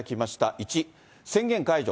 １、宣言解除。